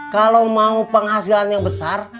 kalau mau penghasilan yang besar